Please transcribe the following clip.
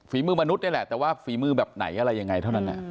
มนุษย์นี่แหละแต่ว่าฝีมือแบบไหนอะไรยังไงเท่านั้น